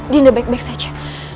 dinda baik baik saja